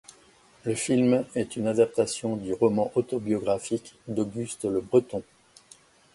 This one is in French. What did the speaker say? Le film est une adaptation du roman autobiographique d'Auguste Le Breton.